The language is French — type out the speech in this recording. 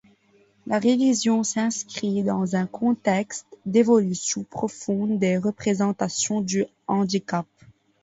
La révision s’inscrit dans un contexte d’évolution profonde des représentations du handicap.